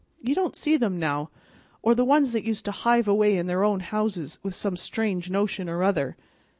You don't see them now, or the ones that used to hive away in their own houses with some strange notion or other."